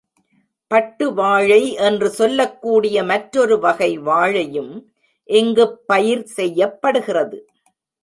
பட்டு வாழை என்று சொல்லக் கூடிய மற்றாெரு வகை வாழையும் இங்குப் பயிர் செய்யப்படுகிறது.